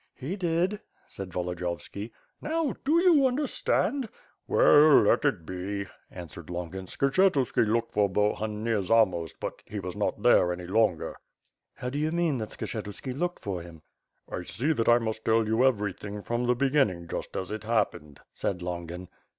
"He did," said Volodiyovski. "Now, do you understand?" "Well, let it be," answered Longin. "Skshetuski looked for Bohun near Zamost, but he was not there any longer." "How do you mean that Skshetuski looked for him?" "I see that I must tell you everything from the beginning, just as it happened," said Longin.